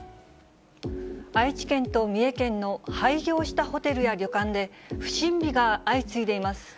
愛知県と三重県の廃業したホテルや旅館で、不審火が相次いでいます。